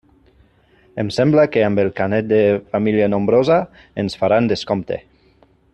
Em sembla que amb el carnet de família nombrosa ens faran descompte.